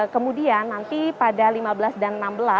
kemudian nanti pada lima belas dan enam belas